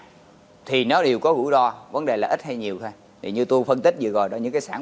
ừ thì nó đều có vũ đo vấn đề là ít hay nhiều thôi thì như tôi phân tích gì rồi đó những cái sản